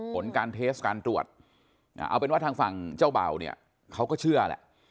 ผลการเทสการตรวจเอาเป็นว่าทางฝั่งเจ้าเบาเนี่ยเขาก็เชื่อแหละ